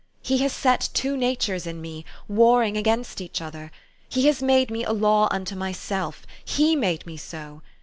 "He has set two natures in me, warring against each other. He has made me a law unto myself He made me so.